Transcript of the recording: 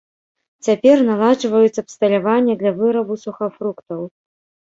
Цяпер наладжваюць абсталяванне для вырабу сухафруктаў.